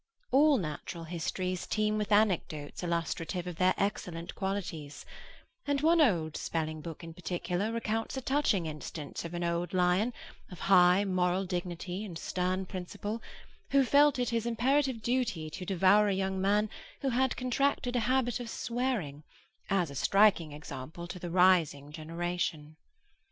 All natural histories teem with anecdotes illustrative of their excellent qualities; and one old spelling book in particular recounts a touching instance of an old lion, of high moral dignity and stern principle, who felt it his imperative duty to devour a young man who had contracted a habit of swearing, as a striking example to the rising generation.